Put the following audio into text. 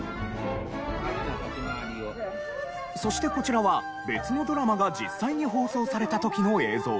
そしてこちらは別のドラマが実際に放送された時の映像。